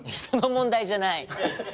人の問題じゃない！